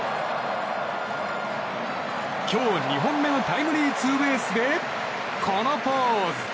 今日２本目のタイムリーツーベースでこのポーズ。